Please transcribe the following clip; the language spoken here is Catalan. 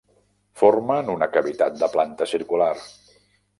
Formen una cavitat de planta circular.